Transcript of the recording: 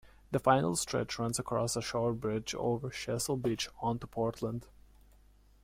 The final stretch runs across a short bridge over Chesil beach onto Portland.